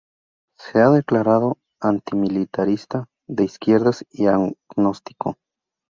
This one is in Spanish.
Se ha declarado antimilitarista, de izquierdas y agnóstico.